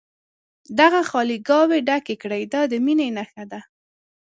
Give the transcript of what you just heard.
دغه خالي ګاوې ډکې کړي دا د مینې نښه ده.